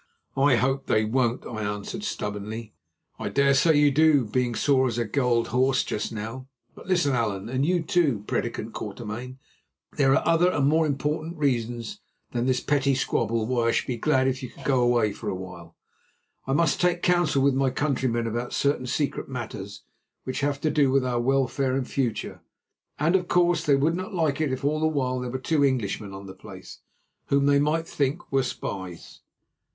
"I hope they won't," I answered stubbornly. "I dare say you do, being sore as a galled horse just now. But listen, Allan, and you, too, prédicant Quatermain; there are other and more important reasons than this petty squabble why I should be glad if you could go away for a while. I must take counsel with my countrymen about certain secret matters which have to do with our welfare and future, and, of course they would not like it if all the while there were two Englishmen on the place, whom they might think were spies."